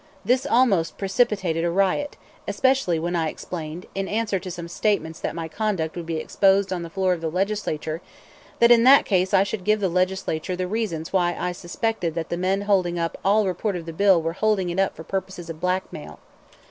This almost precipitated a riot, especially when I explained, in answer to statements that my conduct would be exposed on the floor of the Legislature, that in that case I should give the Legislature the reasons why I suspected that the men holding up all report of the bill were holding it up for purposes of blackmail.